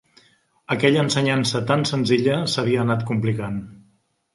Aquella ensenyança tant senzilla s'havia anat complicant